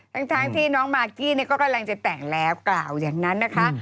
ทั้งที่น้องมากกี้ก็กำลังจะแต่งแล้วกล่าวอย่างนั้นนะคะ